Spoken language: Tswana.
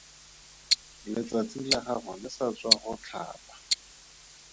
Letsatsi la gago le sa tswa go tlhaba.